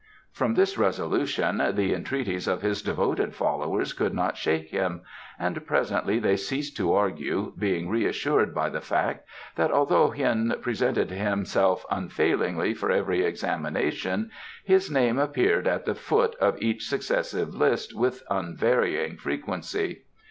From this resolution the entreaties of his devoted followers could not shake him, and presently they ceased to argue, being reassured by the fact that although Hien presented himself unfailingly for every examination his name appeared at the foot of each successive list with unvarying frequency.